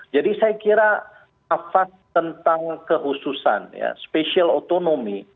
jadi saya kira kafas tentang kehususan special otonomi